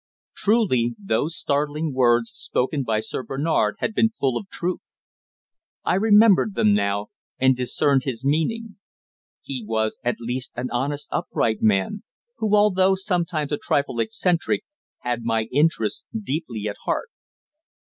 Truly those startling words spoken by Sir Bernard had been full of truth. I remembered them now, and discerned his meaning. He was at least an honest upright man who, although sometimes a trifle eccentric, had my interests deeply at heart.